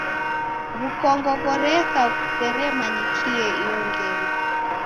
W'ukongo ghoreka ghuseremanyikie iyo ngelo.